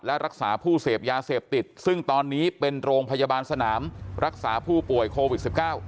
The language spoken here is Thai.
และรักษาผู้เสพยาเสพติดซึ่งตอนนี้เป็นโรงพยาบาลสนามรักษาผู้ป่วยโควิด๑๙